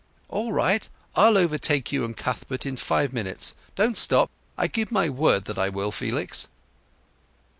"All right—I'll overtake you and Cuthbert in five minutes; don't stop; I give my word that I will, Felix."